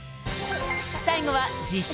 最後は自称